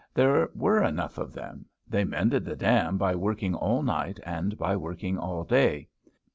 There were enough of them. They mended the dam by working all night and by working all day.